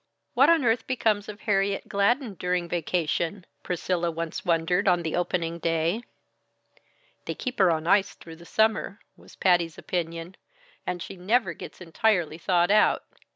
"What on earth becomes of Harriet Gladden during vacation?" Priscilla once wondered on the opening day. "They keep her on ice through the summer," was Patty's opinion, "and she never gets entirely thawed out."